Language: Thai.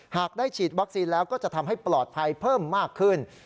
หากได้ฉีดวัคซีนแล้วก็จะทำให้ปลอดภัยเพิ่มมากขึ้น